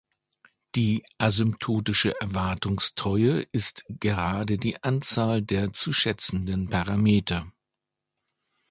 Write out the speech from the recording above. Die asymptotische erwartungstreue ist gerade die Anzahl der zu schätzenden Parameter.